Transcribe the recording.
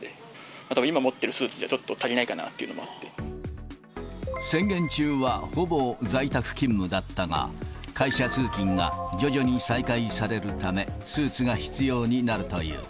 あと今持ってるスーツじゃちょっと足りないかなっていうのもあっ宣言中はほぼ在宅勤務だったが、会社通勤が徐々に再開されるため、スーツが必要になるという。